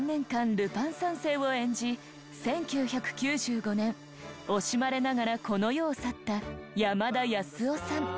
ルパン三世を演じ１９９５年惜しまれながらこの世を去った山田康雄さん。